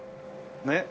ねっ？